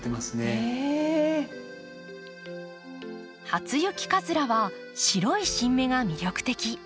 ハツユキカズラは白い新芽が魅力的。